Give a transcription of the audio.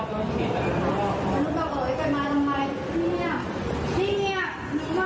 คนเดียวกันป่ะ